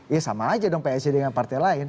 ya sama aja dong psi dengan partai lain